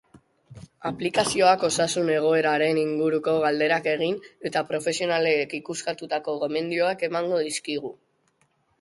Aplikazioak osasun egoreraren inguruko galderak egin eta profesionalek ikuskatutako gomendioak emango dizkigu.